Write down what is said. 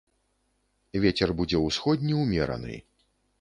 Вецер будзе ўсходні ўмераны.